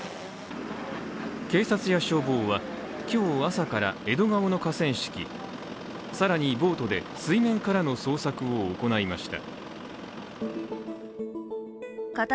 警察や消防は今日朝から江戸川の河川敷、更にボートで水面からの捜索を行いました。